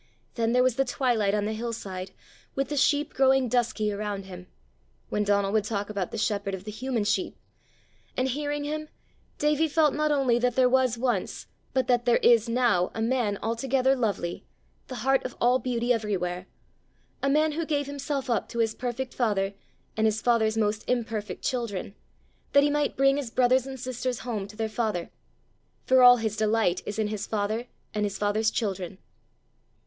Then there was the twilight on the hill side, with the sheep growing dusky around him; when Donal would talk about the shepherd of the human sheep; and hearing him Davie felt not only that there was once, but that there is now a man altogether lovely the heart of all beauty everywhere a man who gave himself up to his perfect father and his father's most imperfect children, that he might bring his brothers and sisters home to their father; for all his delight is in his father and his father's children.